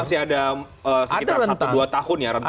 karena masih ada sekitar satu dua tahun ya rentangnya itu